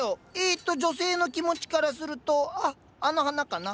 えと女性の気持ちからするとああの花かな。